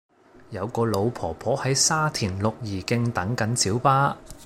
有個老婆婆喺沙田綠怡徑等緊小巴